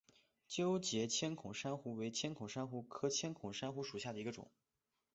纠结千孔珊瑚为千孔珊瑚科千孔珊瑚属下的一个种。